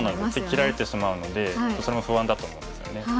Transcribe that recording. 切られてしまうのでそれも不安だと思うんですよね。